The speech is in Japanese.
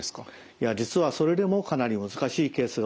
いや実はそれでもかなり難しいケースが多いです。